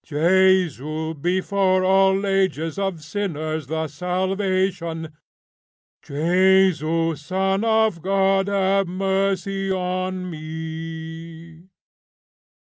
Jesu before all ages of sinners the salvation. Jesu, son of God, have mercy on me."